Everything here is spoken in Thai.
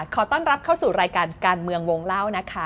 ขอต้อนรับเข้าสู่รายการการเมืองวงเล่านะคะ